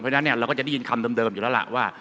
เพราะฉะนั้นเราก็จะได้ยินคำเดิมอยู่ละ